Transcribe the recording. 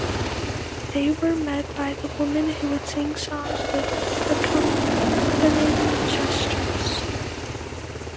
They were met by the women who would sing songs with accompanying gestures.